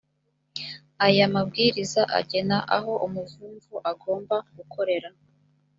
aya mabwiriza agena aho umuvumvu agomba gukorera